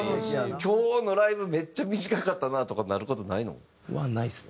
今日のライブめっちゃ短かったなとかなる事ないの？はないですね。